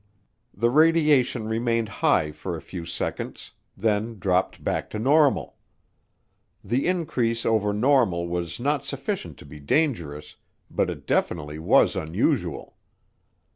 The radiation remained high for a few seconds, then dropped back to normal. The increase over normal was not sufficient to be dangerous, but it definitely was unusual.